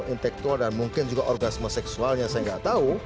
intektual dan mungkin juga orgasme seksualnya saya nggak tahu